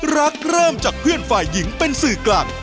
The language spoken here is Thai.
เริ่มจากเพื่อนฝ่ายหญิงเป็นสื่อกลาง